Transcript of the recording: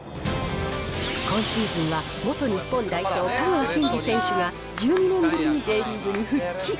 今シーズンは元日本代表、香川真司選手が１２年ぶりにＪリーグに復帰。